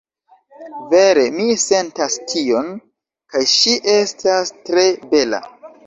Vere, mi sentas tion, kaj ŝi estas tre bela